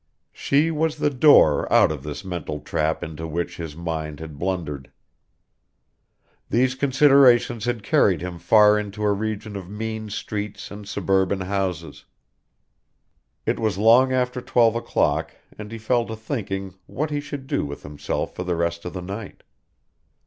She was the door out of the mental trap into which his mind had blundered. These considerations had carried him far into a region of mean streets and suburban houses. It was long after twelve o'clock and he fell to thinking what he should do with himself for the rest of the night.